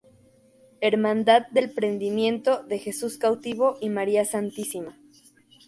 Hermandad del Prendimiento de Jesús Cautivo y María Santísima.